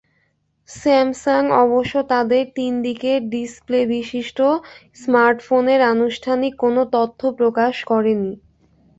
Samsung অবশ্য তাদের তিন দিকের ডিসপ্লেবিশিষ্ট স্মার্টফোনের আনুষ্ঠানিক কোনো তথ্য প্রকাশ করেনি।